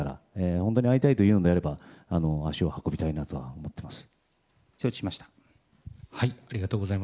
本当に会いたいというのであれば足を運びたいと思っています。